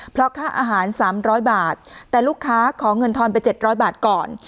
เพราะค่าอาหาร๓๐๐บาทแต่ลูกค้าขอเงินทอนไป๗๐๐บาทก่อน